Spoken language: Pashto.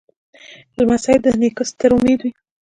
لمسی د نیکه ستر امید وي.